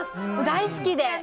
大好きで。